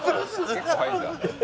結構入るんだ。